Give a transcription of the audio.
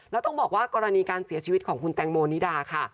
แล้วต้องบอกว่ากรณีการเสียชีวิตของคุณแตงโมนิดาค่ะ